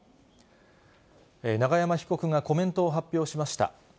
永山被告がコメントを発表しました。